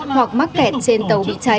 hoặc mắc kẹt trên tàu bị cháy